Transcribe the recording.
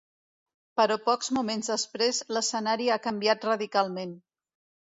Però pocs moments després l’escenari ha canviat radicalment.